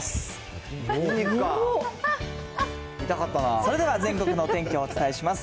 それでは全国のお天気をお伝えします。